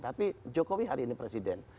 tapi jokowi hari ini presiden